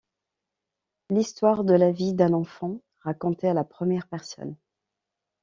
L'histoire de la vie d'un enfant racontée à la première personne.